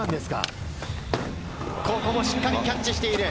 ここもしっかりキャッチしている。